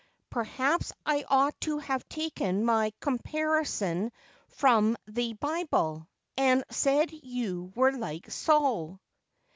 'Perhaps I ought to have taken my comparison from the Eible, and said you were like Saul.'